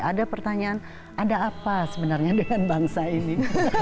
ada pertanyaan ada apa sebenarnya dengan bangsa ini